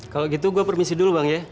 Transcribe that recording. kalau gitu gue permisi dulu bang ya